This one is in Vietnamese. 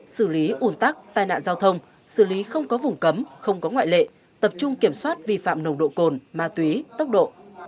xử lý ủn tắc tai nạn giao thông xử lý không có vùng cấm không có ngoại lệ tập trung kiểm soát vi phạm nồng độ cồn ma túy tốc độ